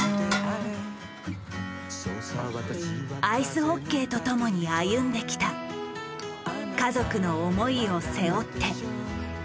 アイスホッケーとともに歩んできた家族の思いを背負って。